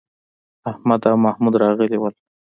احمد او محمد راغلي وو.